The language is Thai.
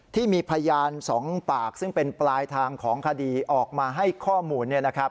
ที่มีพยาน๒ปากซึ่งเป็นปลายทางของคดีออกมาให้ข้อมูล